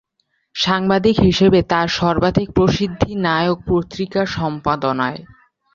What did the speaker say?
সাংবাদিক হিসাবে তার সর্বাধিক প্রসিদ্ধি 'নায়ক' পত্রিকার সম্পাদনায়।